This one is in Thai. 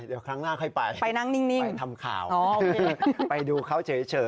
เดี๋ยวครั้งหน้าค่อยไปไปทำข่าวไปดูเขาเฉยอ๋อโอเค